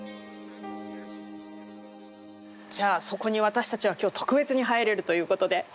じゃあそこに私たちは今日特別に入れるということで。